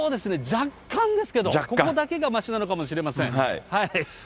若干ですけど、ここだけがましなのかもしれません。